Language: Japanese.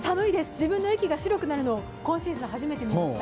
自分の息が白くなるのを今シーズン、初めて見ました。